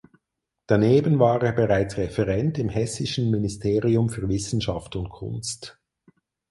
Daneben war er bereits Referent im Hessischen Ministerium für Wissenschaft und Kunst.